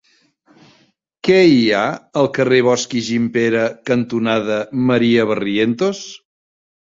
Què hi ha al carrer Bosch i Gimpera cantonada Maria Barrientos?